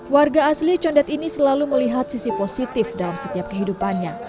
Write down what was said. warga asli condet ini selalu melihat sisi positif dalam setiap kehidupannya